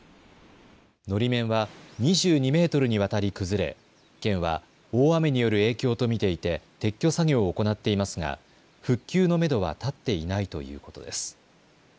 のり面は２２メートルにわたり崩れ県は大雨による影響と見ていて撤去作業を行っていますが復旧のめどは立っていないということです。